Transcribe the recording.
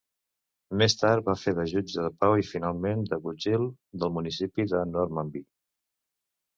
Més tard va fer de jutge de pau i finalment d"agutzil del municipi de Normanby.